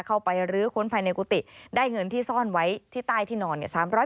เข้าไปรื้อค้นภายในกุฏิได้เงินที่ซ่อนไว้ที่ใต้ที่นอนเนี่ย